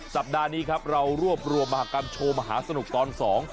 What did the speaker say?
สัปดาห์นี้ครับเรารวบรวมมหากรรมโชว์มหาสนุกตอนสอง